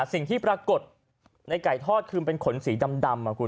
สิ่งที่ปรากฏในไก่ทอดคือขนสีดำอะคุณ